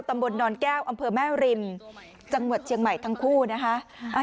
นอนแก้วอำเภอแม่ริมจังหวัดเชียงใหม่ทั้งคู่นะคะ